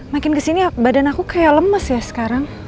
makin kesini badan aku kayak lemes ya sekarang